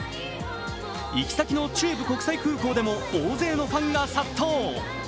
行き先の中部国際空港でも大勢のファンが殺到。